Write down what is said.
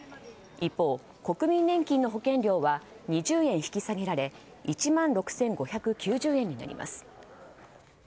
一方、国民年金の保険料は２０円引き下げられ１万６５９０円になります。